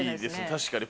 確かに。